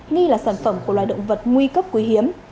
nghi là sản phẩm của loài động vật nguy cấp quý hiếm